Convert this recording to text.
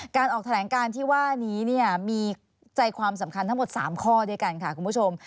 การออกแถลงการที่ว่านี้มีใจความสำคัญทั้งหมด๓ข้อด้วยกันค่ะคุณผู้ชม